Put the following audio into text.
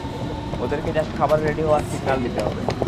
ওদেরকে জাস্ট খাবার রেডি হওয়ার সিগন্যাল দিতে হবে।